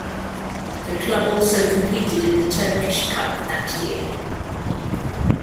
The club also competed in the Turkish Cup that year.